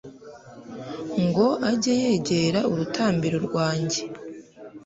ngo ajye yegera urutambiro rwanjye